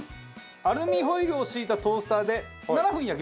アルミホイルを敷いたトースターで７分焼きます。